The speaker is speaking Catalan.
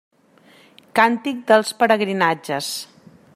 Càntic dels pelegrinatges.